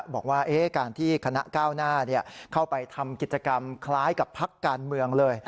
บอกว่าการที่คณะก้าวหน้าเข้าไปทำกิจกรรมคล้ายกับพักการเมืองเลย